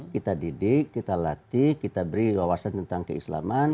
kita didik kita latih kita beri wawasan tentang keislaman